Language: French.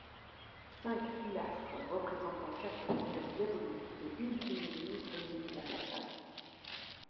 Cinq pilastres représentant quatre figures diaboliques et une féminine dominent la façade.